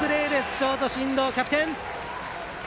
ショート、進藤、キャプテン！